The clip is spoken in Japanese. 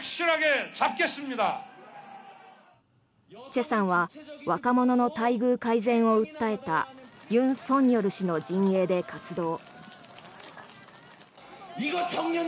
チェさんは若者の待遇改善を訴えた尹錫悦氏の陣営で活動。